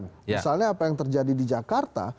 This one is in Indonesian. misalnya apa yang terjadi di jakarta